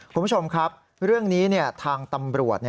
คุณผู้ชมครับเรื่องนี้ทางตำรวจ